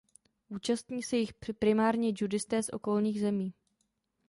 Účastní se jich primárně judisté z okolních zemí.